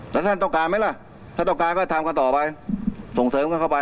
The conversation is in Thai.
แล้วท่านต้องการไหมล่ะถ้าต้องการก็ทำกันต่อไปส่งเสริมกันเข้าไป